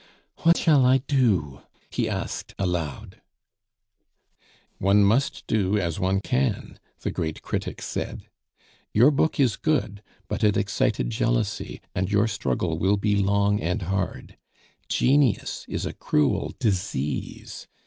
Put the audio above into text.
"What shall I do?" he asked aloud. "One must do as one can," the great critic said. "Your book is good, but it excited jealousy, and your struggle will be hard and long. Genius is a cruel disease.